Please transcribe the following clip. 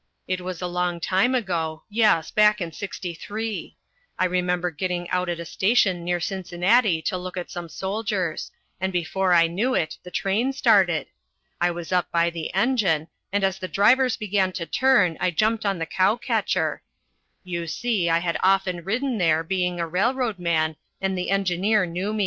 "It was a long time ago yes, back in '63. I remember getting out at a station near Cincinnati to look at some soldiers, and before I knew it the train started. I was up by the engine, and as the drivers began to turn I jumped on the cow catcher. You see, I had often ridden there, being a railroad man, and the engineer knew me.